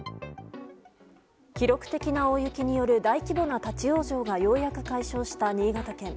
記録的な大雪による大規模な立ち往生がようやく解消した新潟県。